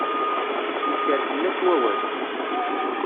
Yekker fell-as wawal.